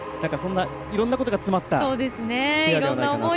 いろんなことが詰まったペアではないかなと。